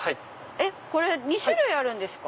これ２種類あるんですか？